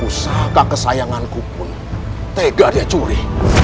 usahakah kesayanganku pun tega dia curi